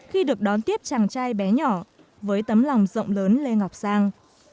khi được đón tiếp chàng trai bé nhỏ với tấm lòng rộng lớn lê ngọc sang